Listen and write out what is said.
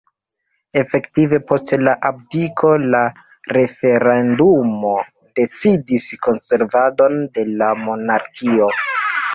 Efektive post la abdiko la referendumo decidis konservadon de la monarkio.